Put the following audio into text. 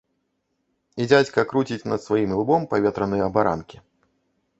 І дзядзька круціць над сваім ілбом паветраныя абаранкі.